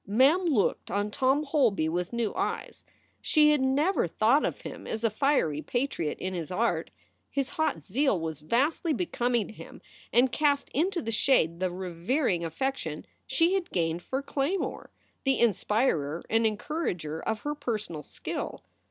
Mem looked on Tom Holby with new eyes. She had never thought of him as a fiery patriot in his art. His hot zeal was vastly becoming to him and cast into the shade the revering affection she had gained for Claymore, the inspirer and encourager of her personal skill.